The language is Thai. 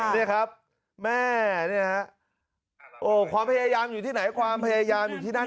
นี่ครับแม่เนี่ยฮะโอ้ความพยายามอยู่ที่ไหนความพยายามอยู่ที่นั่น